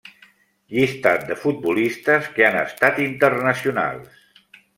Llistat de futbolistes que han estat internacionals.